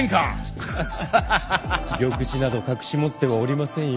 フフフ玉璽など隠し持ってはおりませんよ。